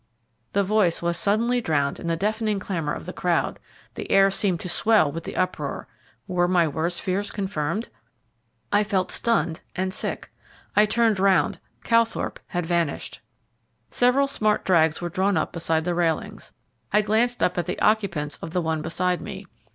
The voice was suddenly drowned in the deafening clamour of the crowd, the air seemed to swell with the uproar. Were my worst fears confirmed? I felt stunned and sick. I turned round; Calthorpe had vanished. Several smart drags were drawn up beside the railings. I glanced up at the occupants of the one beside me.